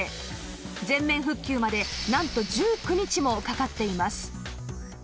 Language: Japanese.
全面復旧までなんと１９日もかかっています